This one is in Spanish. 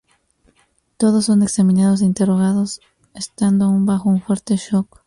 Todos son examinados e interrogados estando aún bajo un fuerte shock.